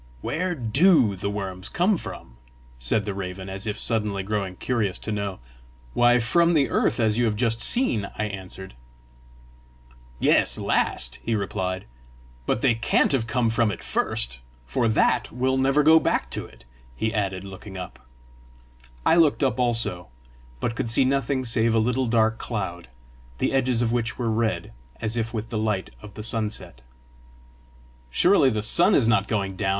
"Where DO the worms come from?" said the raven, as if suddenly grown curious to know. "Why, from the earth, as you have just seen!" I answered. "Yes, last!" he replied. "But they can't have come from it first for that will never go back to it!" he added, looking up. I looked up also, but could see nothing save a little dark cloud, the edges of which were red, as if with the light of the sunset. "Surely the sun is not going down!"